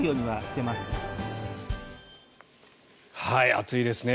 暑いですね。